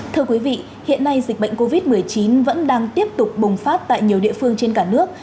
thưa quý vị hiện nay dịch bệnh covid một mươi chín vẫn đang tiếp tục bùng phát tại nhiều địa phương trên cả nước